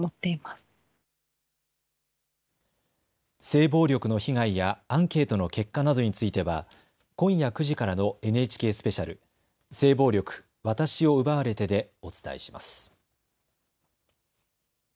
性暴力の被害やアンケートの結果などについては今夜９時からのＮＨＫスペシャル性暴力“わたし”を奪われてでお伝えします。